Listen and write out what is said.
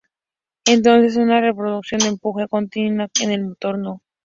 Entonces, una reducción de empuje continua en el motor no.